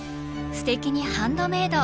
「すてきにハンドメイド」